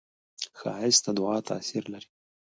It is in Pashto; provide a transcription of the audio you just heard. ښایست د دعاوو تاثیر لري